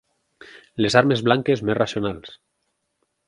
Les armes blanques més racionals.